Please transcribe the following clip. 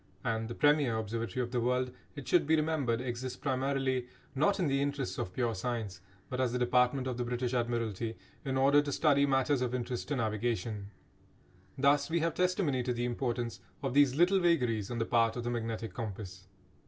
And the premier observatory of the world, it should be remembered, exists primarily, not in the interests of pure science, but as a department of the British Admiralty in order to study matters of interest to navigation. Thus we have testimony to the importance of these little vagaries on the part of the magnetic compass.